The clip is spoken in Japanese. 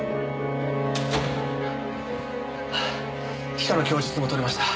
秘書の供述も取れました。